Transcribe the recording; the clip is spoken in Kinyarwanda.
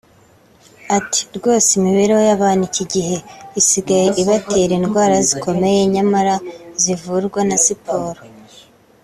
Ati “Rwose imibereho y’abantu iki gihe isigaye ibatera indwara zikomeye nyamara zivurwa na siporo